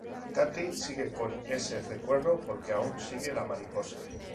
Katy sigue con ese recuerdo porque aún sigue la mariposa.